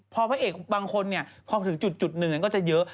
พอพระเอกบางคนพอถึงจุดหนึ่งก็จะเยอะ